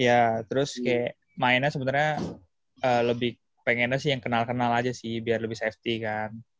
iya terus kayak mainnya sebenarnya lebih pengennya sih yang kenal kenal aja sih biar lebih safety kan